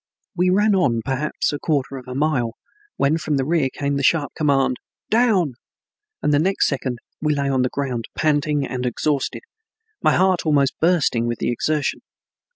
We ran on perhaps a quarter of a mile, when from the rear came the sharp command, "Down," and the next second we lay on the ground, panting and exhausted, my heart almost bursting with the exertion.